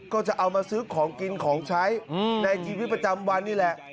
ก็จะเอามาซื้อของกินของใช้ในชีวิตประจำวันนี่แหละ